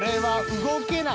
動けない。